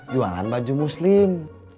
jualan baju muslim